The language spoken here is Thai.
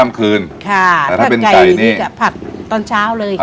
ถ้าเป็นไก่นี่จะผัดตอนเช้าเลยค่ะถ้าเป็นไก่นี่จะผัดตอนเช้าเลยค่ะ